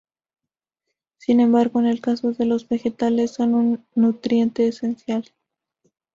Sin embargo, en el caso de los vegetales, son un nutriente esencial.